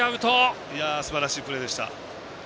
すばらしいプレーでした。